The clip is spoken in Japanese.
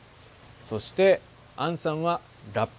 そして安さんはラップ。